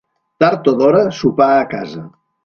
Tard o d'hora, sopar a casa.